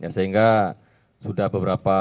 sehingga sudah beberapa